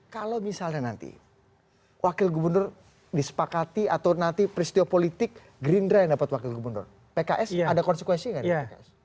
kalau misalnya nanti wakil gubernur disepakati atau nanti peristiwa politik gerindra yang dapat wakil gubernur pks ada konsekuensi nggak nih pks